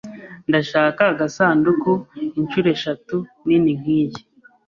Ndashaka agasanduku inshuro eshatu nini nkiyi.